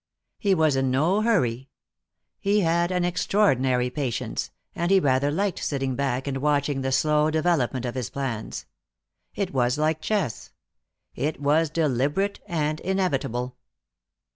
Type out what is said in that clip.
He was in no hurry. He had extraordinary patience, and he rather liked sitting back and watching the slow development of his plans. It was like chess; it was deliberate and inevitable.